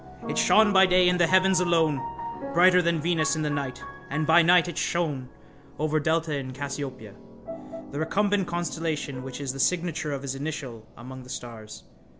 It shone by day in the heavens alone, brighter than Venus in the night, and by night it shone over delta in Cassiopeia, the recumbent constellation which is the signature of his initial among the stars.